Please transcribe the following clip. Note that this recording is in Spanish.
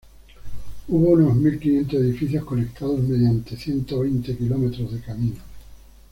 Hubo unos mil quinientos edificios conectados mediante ciento veinte km de caminos.